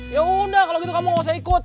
ya udah kalau gitu kamu gak usah ikut